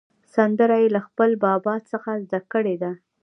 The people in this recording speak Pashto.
سندره یې له خپل بابا څخه زده کړې ده.